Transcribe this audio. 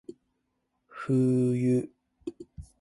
冬